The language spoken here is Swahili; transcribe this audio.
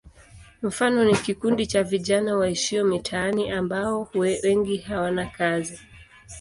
Mfano ni kikundi cha vijana waishio mitaani ambao wengi hawana kazi.